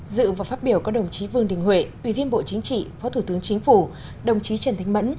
dự và phát biểu có đồng chí vương đình huệ ủy viên bộ chính trị phó thủ tướng chính phủ đồng chí trần thánh mẫn